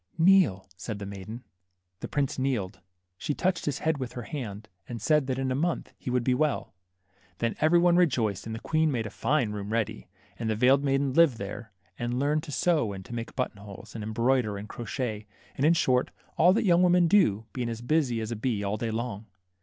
Kneel," said the maiden. The prince kneeled ; she touched his head with her hand, and said that in a month he would be well. Then every one rejoiced, and the queen made a fine room ready ; and the veiled maiden lived there, and learned to sew and to make button holes, and embroider, and crotchet, and, in short, all that young women do, being as busy as a bee all day long.